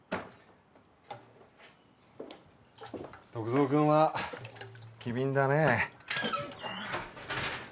篤蔵君は機敏だねえ